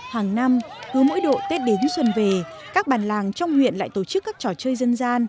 hàng năm hứa mỗi độ tết đến xuân về các bàn làng trong huyện lại tổ chức các trò chơi dân gia